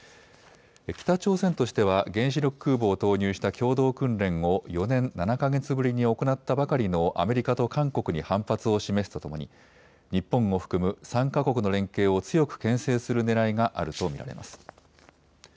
北朝鮮としては原子力空母を投入した共同訓練を４年７か月ぶりに行ったばかりのアメリカと韓国に反発を示すとともに日本を含む３か国の連携を強くけん制するねらいがあると見られます。